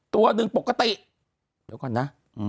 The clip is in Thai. ตัวหนึ่งปกติเดี๋ยวก่อนนะ